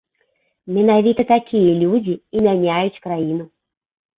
Менавіта такія людзі і мяняюць краіну.